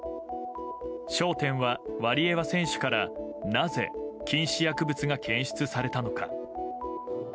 焦点は、ワリエワ選手からなぜ禁止薬物が検出されたのか。